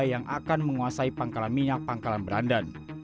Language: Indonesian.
yang akan menguasai pangkalan minyak pangkalan berandan